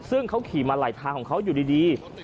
ซึ่งเขาขี่มาไหลทางของเขาอยู่ดี